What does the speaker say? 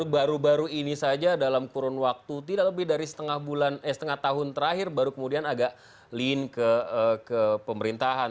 baru baru ini saja dalam kurun waktu tidak lebih dari setengah tahun terakhir baru kemudian agak lean ke pemerintahan